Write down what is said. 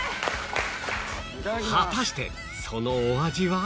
果たしてそのお味は？